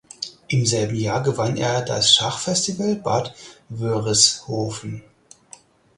Im selben Jahr gewann er das Schachfestival Bad Wörishofen.